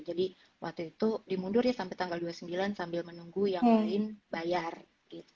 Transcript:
jadi waktu itu dimundurnya sampai tanggal dua puluh sembilan sambil menunggu yang lain bayar gitu